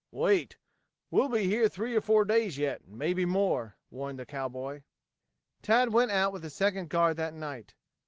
"Wait. We'll be here three or four days yet and mebby more," warned the cowboy. Tad went out with the second guard that night.